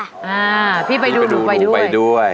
อ่าพี่ไปดูดูไปด้วย